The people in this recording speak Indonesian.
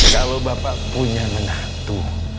kalau bapak punya menantu